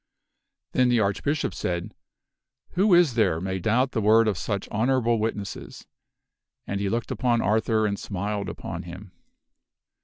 Then the Archbishop said, " Who is there may doubt the word of such honorable witnesses?" And he looked upon Arthur and smiled upon him.